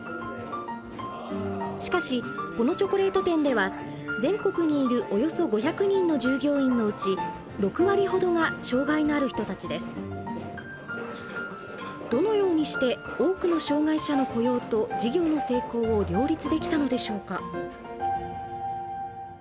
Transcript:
しかしこのチョコレート店では全国にいるおよそ５００人の従業員のうちどのようにして多くの障害者の雇用と事業の成功を両立できたのでしょうか。